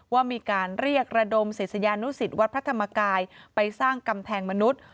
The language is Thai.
ว่ามีการเรียกระดมศิษยานุสิตวัดพระธรรมกายไปสร้างกำแพงมนุษย์